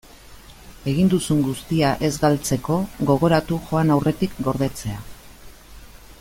Egin duzun guztia ez galtzeko, gogoratu joan aurretik gordetzea.